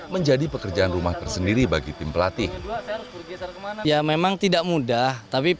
menjadi pekerjaan rumah tersendiri bagi tim pelatih